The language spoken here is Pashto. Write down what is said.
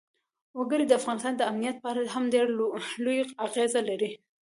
وګړي د افغانستان د امنیت په اړه هم ډېر لوی اغېز لري.